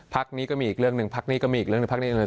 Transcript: พักนี้ก็มีอีกเรื่องหนึ่งพักนี้ก็มีอีกเรื่องหนึ่งพักนี้อีกเลย